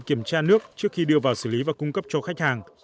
kiểm tra nước trước khi đưa vào xử lý và cung cấp cho khách hàng